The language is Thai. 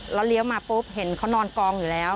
แล้วเลี้ยวมาปุ๊บเห็นเขานอนกองอยู่แล้ว